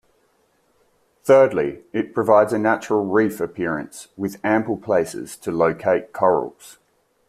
Thirdly, it provides a natural reef appearance with ample places to locate corals.